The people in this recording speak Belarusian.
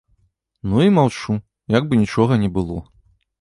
Ну і маўчу, як бы нічога не было.